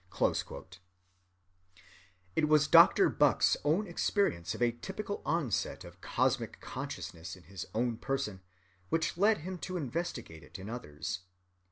(241) It was Dr. Bucke's own experience of a typical onset of cosmic consciousness in his own person which led him to investigate it in others.